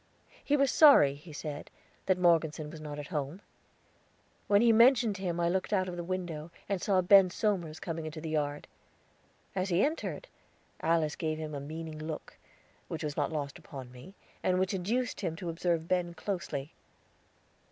He was sorry, he said, that Morgeson was not at home. When he mentioned him I looked out of the window, and saw Ben Somers coming into the yard. As he entered, Alice gave him a meaning look, which was not lost upon me, and which induced him to observe Ben closely.